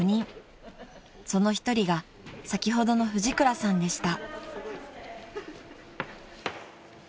［その一人が先ほどの藤倉さんでした］